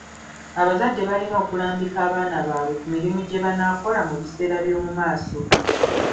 Abazadde balina okulambika abaana baabwe ki mirimu gye banaakola mu biseera by'omu maaso.